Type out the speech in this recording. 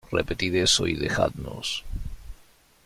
repartid eso y dejadnos.